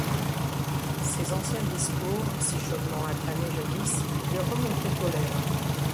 Ses anciens discours, si chaudement acclamés jadis, lui remontaient aux lèvres.